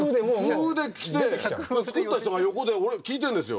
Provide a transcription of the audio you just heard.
風で来て作った人が横で俺聴いてるんですよ。